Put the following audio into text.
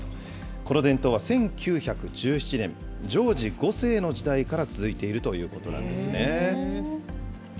この伝統は１９１７年、ジョージ５世の時代から続いているということなんですね。